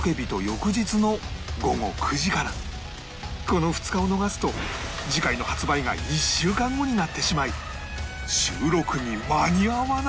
この２日を逃すと次回の発売が１週間後になってしまい収録に間に合わない